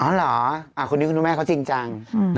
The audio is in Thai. เหรอคนนี้คุณแม่เขาจริงจัง